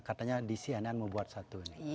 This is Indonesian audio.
katanya dcnn mau buat satu ini